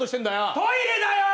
トイレだよ！